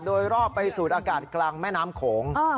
โดยรอบไปสูดอากาศกลางแม่น้ำโขง